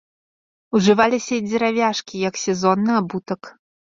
Ужываліся і дзеравяшкі як сезонны абутак.